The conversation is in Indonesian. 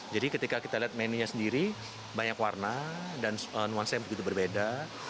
jadi ketika kita lihat menunya sendiri banyak warna dan nuansa yang begitu berbeda